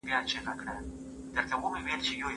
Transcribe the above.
د ماشوم د ژبې تمرين په لوبو وکړئ.